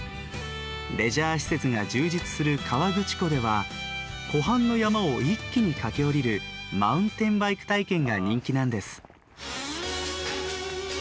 レジャー施設が充実する河口湖では湖畔の山を一気に駆け下りるマウンテンバイク体験が人気なんです。